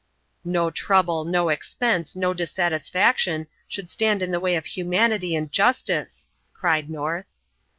"No trouble, no expense, no dissatisfaction, should stand in the way of humanity and justice," cried North.